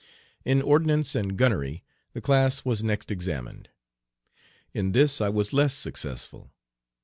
In ordnance and gunnery the class was next examined. In this I was less successful.